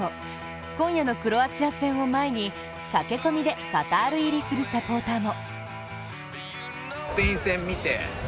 今夜のクロアチア戦を前に駆け込みでカタール入りするサポーターも。